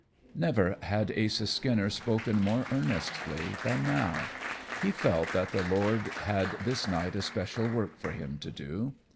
Never had Asa Skinner spoken more earnestly than now. He felt that the Lord had this night a special work for him to do.